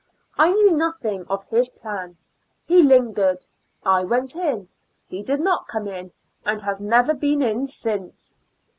I knew nothing of his plan; he lingered ; I went in; he did not come in, and has never been in since.